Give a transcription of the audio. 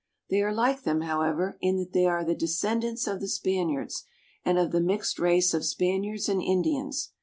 They are Hke them, however, in that they are the de scendants of the Spaniards and of the mixed race of Spaniards and Indians.